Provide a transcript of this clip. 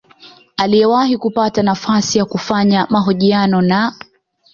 aliyewahi kupata nafasi ya kufanya mahojiano na